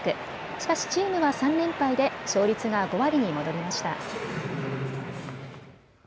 しかしチームは３連敗で勝率が５割に戻りました。